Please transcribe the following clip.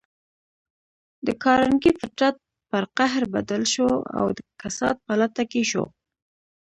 د کارنګي فطرت پر قهر بدل شو او د کسات په لټه کې شو.